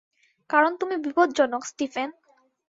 কারণ তুমি বিপদজনক, স্টিফেন।